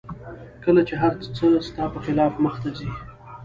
کله چې هر څه ستا په خلاف مخته ځي